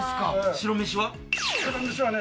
白飯はね